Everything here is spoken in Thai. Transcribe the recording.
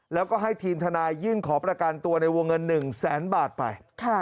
แล้วก็ให้ทีมทนายยื่นขอประกันตัวในวงเงิน๑แสนบาทไป